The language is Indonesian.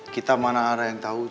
kita mana ada yang tau